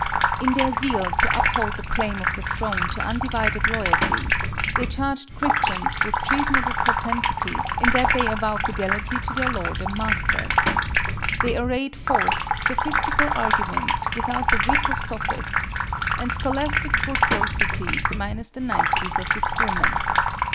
In their zeal to uphold the claim of the throne to undivided loyalty, they charged Christians with treasonable propensities in that they avow fidelity to their Lord and Master. They arrayed forth sophistical arguments without the wit of Sophists, and scholastic tortuosities minus the niceties of the Schoolmen.